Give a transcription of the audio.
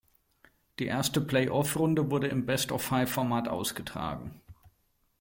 Die erste Play-off-Runde wurde im Best-of-Five-Format ausgetragen.